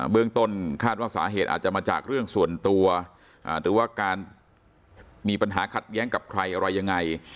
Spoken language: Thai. เบื้องต้นคาดว่าสาเหตุอาจจะมาจากเรื่องส่วนตัวหรือว่าการมีปัญหาขัดแย้งกับใครอะไรยังไง